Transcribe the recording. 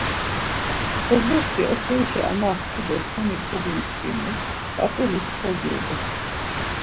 Bozokti oxorişa amaxtu do tani koguntzǩinu, p̌ap̌ulis kogyubu.